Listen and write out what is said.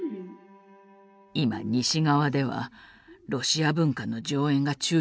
今西側ではロシア文化の上演が中止されています。